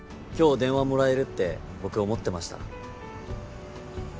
今日電話もらえるって僕思ってました。